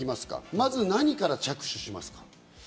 まず何から着手しますか？